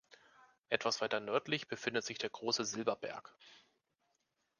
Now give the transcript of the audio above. Etwas weiter nördlich befindet sich der Große Silberberg.